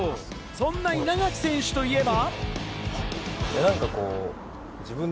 そんな稲垣選手といえば。